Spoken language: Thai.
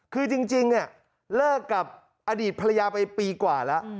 คือจริงเนี่ยเลิกกับอดีตภรรยาไปปีกว่าแล้ว